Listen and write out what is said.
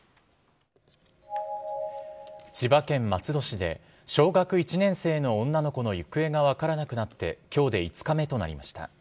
千葉県松戸市で、小学１年生の女の子の行方が分からなくなって、きょうで５日目となりました。